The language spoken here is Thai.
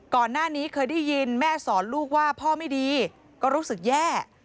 ก่อนหน้านี้เคยได้ยินแม่สอนลูกว่าพ่อไม่ดีก็รู้สึกแย่